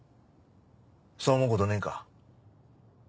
そう思うことねえか？